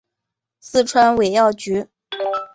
四川尾药菊